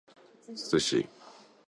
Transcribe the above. sushi